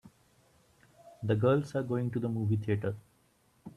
The girls are going to the movie theater.